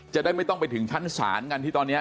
จะได้ไม่ต้องไปถึงชั้นศาลกันที่ตอนนี้